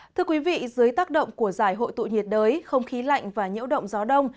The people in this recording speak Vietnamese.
thưa quý vị dưới tác động của giải hội tụ nhiệt đới không khí lạnh và nhiễu động gió đông